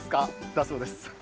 だそうです。